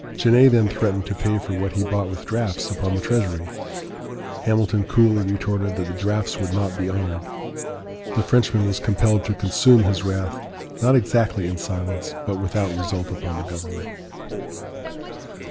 Genet then threatened to pay for what he bought with drafts upon the Treasury. Hamilton coolly retorted that the drafts would not be honored. The Frenchman was compelled to consume his wrath, not exactly in silence, but without result upon the government.